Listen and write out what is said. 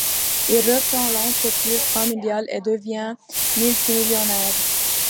Il reprend l'entreprise familiale et devient multimillionnaire.